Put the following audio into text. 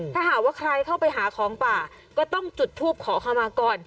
ถ้าหากว่าใครเข้าไปหาของป่าก็ต้องจุดทูปขอเข้ามาก่อน